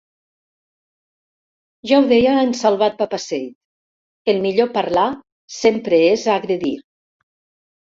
Ja ho deia en Salvat-Papasseit; el millor parlar sempre és agre-dir.